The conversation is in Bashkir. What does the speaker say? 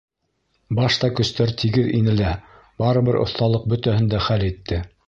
Башта көстәр тигеҙ ине лә, барыбер оҫталыҡ бөтәһен дә хәл итте.